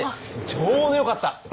ちょうどよかった。